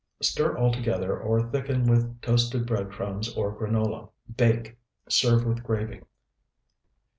Stir all together, or thicken with toasted bread crumbs or granola; bake. Serve with gravy.